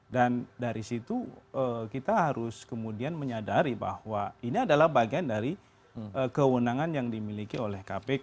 dan dari situ kita harus kemudian menyadari bahwa ini adalah bagian dari kewenangan yang dimiliki oleh kpk